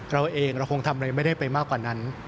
เราเองเราคงทำอะไรไม่ได้ไปมากกว่านั้น